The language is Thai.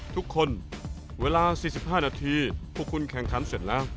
ทุกคนเวลา๔๕นาทีพวกคุณแข่งขันเสร็จแล้ว